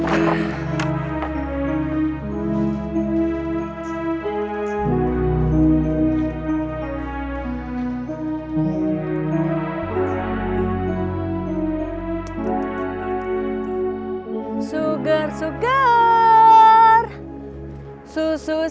tidak ada yang bisa ngelakuin